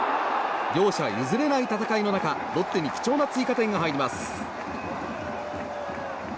両者譲れない戦いの中ロッテに貴重な追加点が入ります。